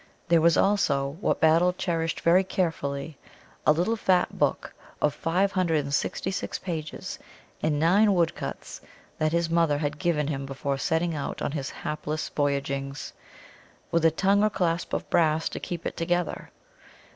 There was also, what Battle cherished very carefully, a little fat book of 566 pages and nine woodcuts that his mother had given him before setting out on his hapless voyagings, with a tongue or clasp of brass to keep it together.